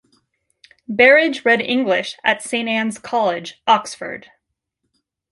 Berridge read English at Saint Anne's College, Oxford.